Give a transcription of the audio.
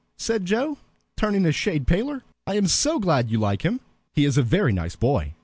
said Joe, turning a shade paler. "I am so glad you like him. He is a very nice boy."